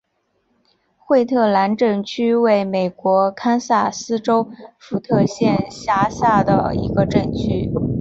惠特兰镇区为美国堪萨斯州福特县辖下的镇区。